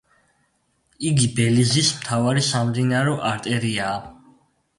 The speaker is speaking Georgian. იგი ბელიზის მთავარი სამდინარო არტერიაა.